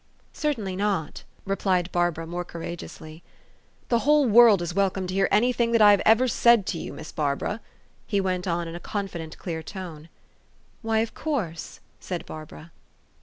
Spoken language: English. " Certainly not," replied Barbara more coura geously. 4 c The whole world is welcome to hear any thing that I have ever said to you, Miss Barbara," he went on in a confident, clear tone. " Why, of course," said Barbara.